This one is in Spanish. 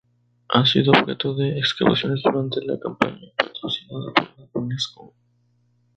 Ha sido objeto de excavaciones durante la campaña patrocinada por la Unesco.